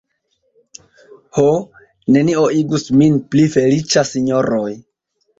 Ho; nenio igus min pli feliĉa, sinjoroj.